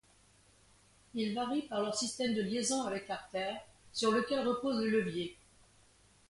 Ils varient par leur système de liaison avec l'artère sur lequel repose le levier.